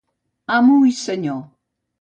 Amo i senyor.